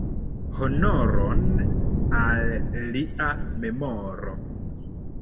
Honoron al lia memoro!